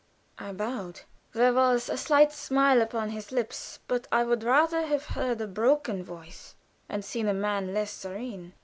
I bowed. There was a slight smile upon his lips, but I would rather have heard a broken voice and seen a mien less serene.